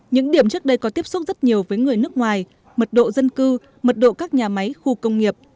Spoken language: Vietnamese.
những điểm trước đây có tiếp xúc rất nhiều với người nước ngoài mật độ dân cư mật độ các nhà máy khu công nghiệp